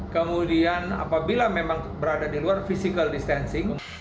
kemudian apabila mungkin anda berada di luar terimakasih physical distancing